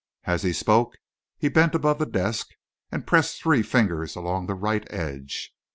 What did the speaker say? As he spoke, he bent above the desk and pressed three fingers along the right edge.